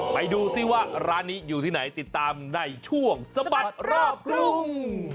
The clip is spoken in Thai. ไปดูซิว่าร้านนี้อยู่ที่ไหนติดตามในช่วงสะบัดรอบกรุง